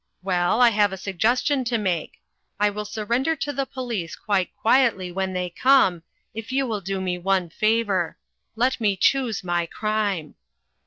Well, I have a suggestion to make. I will surrender to the police quite quietly when they come, if you will do me one favour. Let me choose my crime."